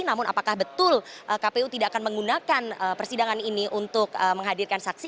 namun apakah betul kpu tidak akan menggunakan persidangan ini untuk menghadirkan saksi